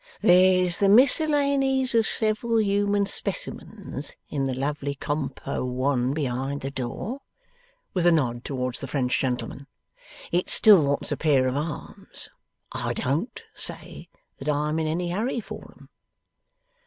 There's the Miscellanies of several human specimens, in the lovely compo one behind the door'; with a nod towards the French gentleman. 'It still wants a pair of arms. I DON'T say that I'm in any hurry for 'em.